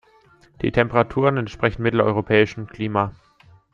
Die Temperaturen entsprechen mitteleuropäischen Klima.